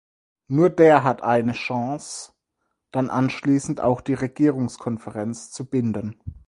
Nur der hat eine Chance, dann anschließend auch die Regierungskonferenz zu binden!